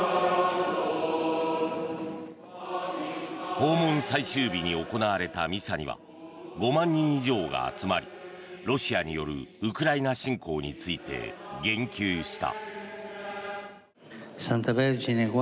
訪問最終日に行われたミサには５万人以上が集まりロシアによるウクライナ侵攻について言及した。